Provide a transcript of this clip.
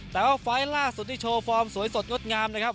แต่ว่าไฟล์ล่าสุดที่โชว์ฟอร์มสวยสดงดงามนะครับ